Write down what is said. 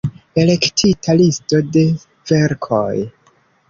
Elektita listo de verkoj.